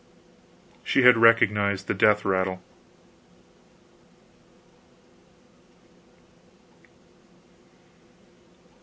She had recognized the death rattle.